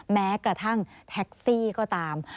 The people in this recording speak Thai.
แม้กระทั่งแท็กซี่ก็ตาม